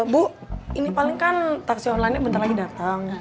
bu ini paling kan taksi online nya bentar lagi dateng